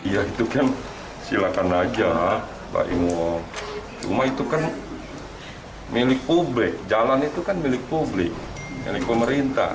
ya itu kan silakan aja pak imun cuma itu kan milik publik jalan itu kan milik publik milik pemerintah